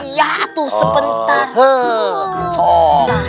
iya ato sebentar